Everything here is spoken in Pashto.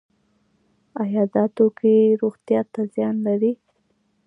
آیا دا توکي روغتیا ته زیان لري؟